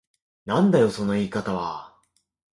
なんだよその言い方は。